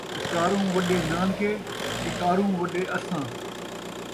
اچاروں وݙے نانکے ݙکاروں وݙے اسّاں